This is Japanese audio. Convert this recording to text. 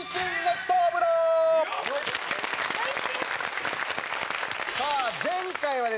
最新？さあ前回はですね